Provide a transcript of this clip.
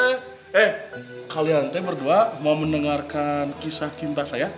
eh kalian saya berdua mau mendengarkan kisah cinta saya